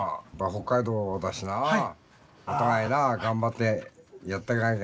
北海道だしなあお互いな頑張ってやっていかなきゃ